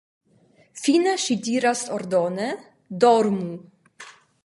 Fine ŝi diras ordone: Dormu!